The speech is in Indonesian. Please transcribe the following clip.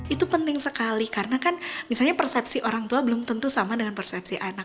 itu penting sekali karena kan misalnya persepsi orang tua belum tentu sama dengan persepsi anak